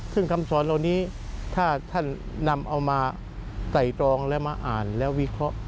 ซึ่งคำสอนเหล่านี้ถ้าท่านนำเอามาไต่ตรองและมาอ่านแล้ววิเคราะห์